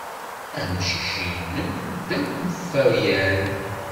Amcic-nnem d awfayan.